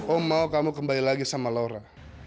oh mau kamu kembali lagi sama laura